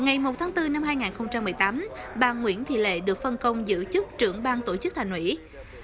ngày một tháng bốn năm hai nghìn một mươi tám bà nguyễn thị lệ được phân công giữ chức trưởng bang tổ chức thành ủy